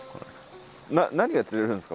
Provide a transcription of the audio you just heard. な何が釣れるんですか？